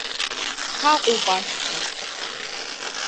Ҳаҟоуп ашьха.